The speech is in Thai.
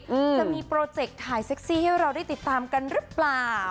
จะมีโปรเจกต์ถ่ายเซ็กซี่ให้เราได้ติดตามกันหรือเปล่า